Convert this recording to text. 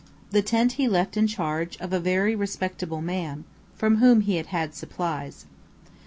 The tent he left in charge of a very respectable man, from whom he had had supplies.